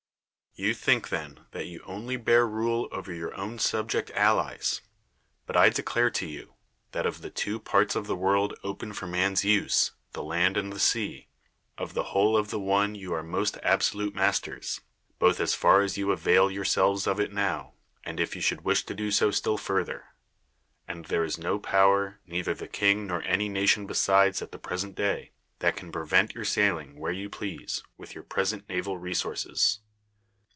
You 29 THE WORLD'S FAMOUS ORATIONS think then that you only bear rule over your own subject allies; but I declare to you that of the two parts of the world open for man's use, the land and the sea, of the whole of the one you are most absolute masters, both as far as you avail yourselves of it now, and if you should wish to do so still further ; and there is no power, neither the king nor any nation besides at the present day, that can prevent your sailing [where you please] with your present naval resources.